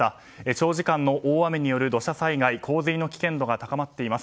長時間の大雨による土砂災害、洪水の危険度が高まっています。